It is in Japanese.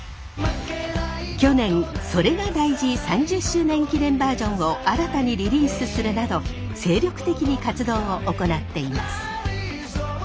去年「それが大事」３０周年記念バージョンを新たにリリースするなど精力的に活動を行っています。